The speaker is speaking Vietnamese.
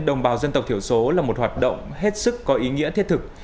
đồng bào dân tộc thiểu số là một hoạt động hết sức có ý nghĩa thiết thực